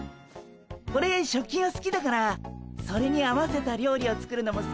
オレ食器がすきだからそれに合わせた料理を作るのもすきなんすよ。